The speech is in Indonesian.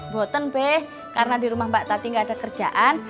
boten beh karena di rumah mbak tadi gak ada kerjaan